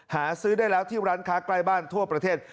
หาซื้อได้แล้วที่ร้านค้าใกล้บ้านทั่วประเทศ